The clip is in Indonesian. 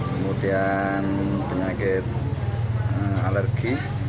kemudian penyakit alergi